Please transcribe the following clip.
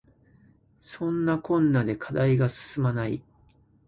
そんなこんなで課題が進まない